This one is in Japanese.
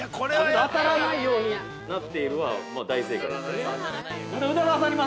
◆当たらないようになっているは、大正解です。